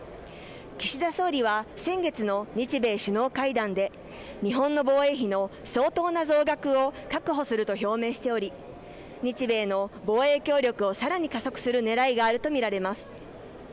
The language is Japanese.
岸田総理は、先月の日米首脳会談で日本の防衛費の相当な増額を確保すると表明しており、日米の防衛協力を更に加速する狙いがあるとみられます。